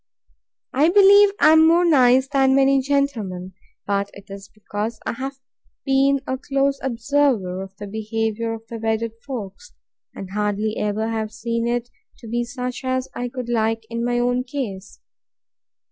I believe I am more nice than many gentlemen; but it is because I have been a close observer of the behaviour of wedded folks, and hardly ever have seen it to be such as I could like in my own case.